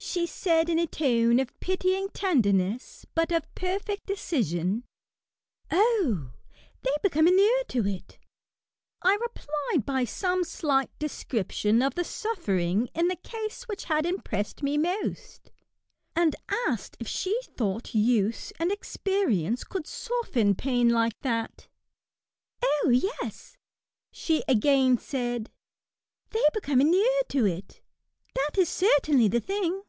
She said, in a tone of pitying tender ness, but of perfect decision, " O I they become inured to it." I replied by some slight description of the suffering in the case which had impressed me most, and asked if she thought use and expe* rience could soften pain like that, " O yes,'* she again said, 'Uhey become inured to it. That is certainly the thing."